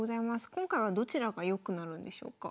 今回はどちらが良くなるんでしょうか？